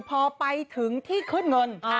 พอไปถึงที่ขึ้นเงิน